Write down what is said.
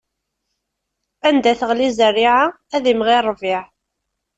Anda teɣli zzerriɛa, ad imɣi ṛṛbiɛ.